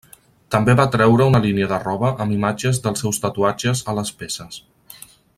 També va treure una línia de roba amb imatges dels seus tatuatges a les peces.